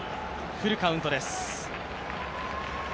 フルカウントです。